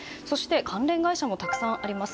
関連会社もたくさんあります。